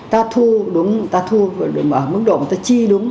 ta thu đúng ta thu ở mức độ mà ta chi đúng